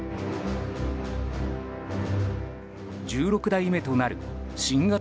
１６代目となる新型